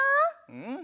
うん！